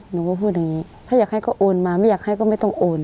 หนูก็พูดอย่างนี้ถ้าอยากให้ก็โอนมาไม่อยากให้ก็ไม่ต้องโอน